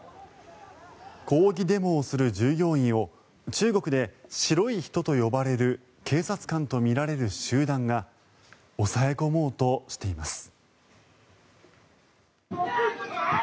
抗議デモをする従業員を中国で白い人と呼ばれる警察官とみられる集団が抑え込もうとしています。